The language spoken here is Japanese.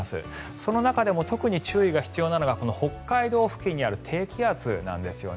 その中でも特に注意が必要なのがこの北海道付近にある低気圧なんですよね。